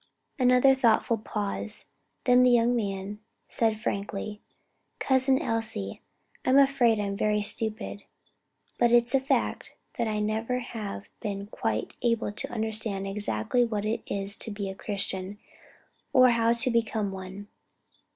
Another thoughtful pause; then the young man said, frankly, "Cousin Elsie, I'm afraid I'm very stupid, but it's a fact that I never have been quite able to understand exactly what it is to be a Christian, or how to become one."